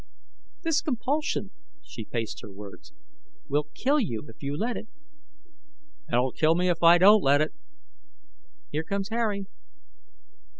"This compulsion," she paced her words, "will kill you if you let it." "It'll kill me if I don't let it " "Here comes Harry."